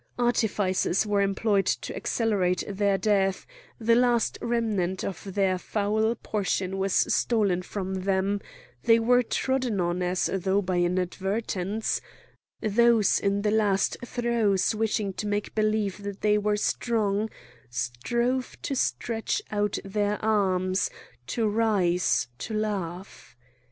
Artifices were employed to accelerate their death; the last remnant of their foul portion was stolen from them; they were trodden on as though by inadvertence; those in the last throes wishing to make believe that they were strong, strove to stretch out their arms, to rise, to laugh.